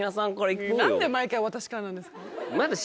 何で毎回私からなんですか？